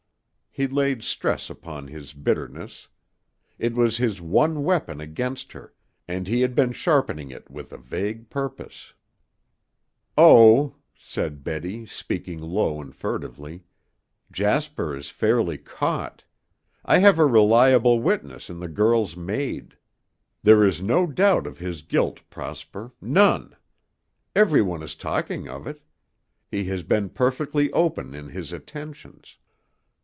He laid stress upon his bitterness. It was his one weapon against her and he had been sharpening it with a vague purpose. "Oh," said Betty, speaking low and furtively, "Jasper is fairly caught. I have a reliable witness in the girl's maid. There is no doubt of his guilt, Prosper, none. Everyone is talking of it. He has been perfectly open in his attentions."